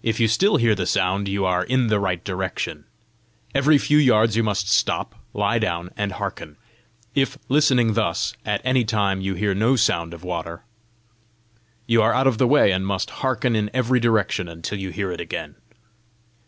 If you still hear the sound, you are in the right direction. Every few yards you must stop, lie down, and hearken. If, listening thus, at any time you hear no sound of water, you are out of the way, and must hearken in every direction until you hear it again.